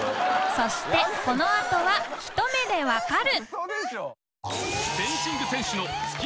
そしてこのあとは「ひと目でわかる！！」